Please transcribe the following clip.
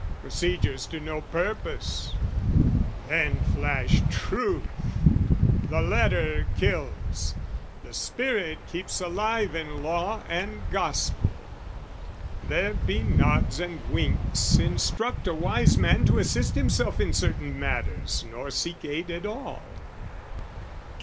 Procedures to no purpose! Then flashed truth! The letter kills, the spirit keeps alive In law and gospel: there be nods and winks Instruct a wise man to assist himself In certain matters nor seek aid at all.